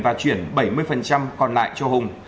và chuyển bảy mươi còn lại cho hùng